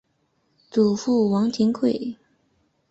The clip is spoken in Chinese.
祖父王庭槐。